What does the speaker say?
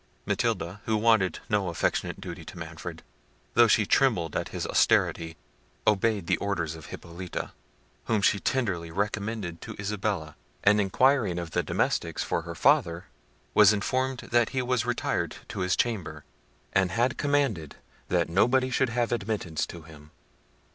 Matilda, who wanted no affectionate duty to Manfred, though she trembled at his austerity, obeyed the orders of Hippolita, whom she tenderly recommended to Isabella; and inquiring of the domestics for her father, was informed that he was retired to his chamber, and had commanded that nobody should have admittance to him.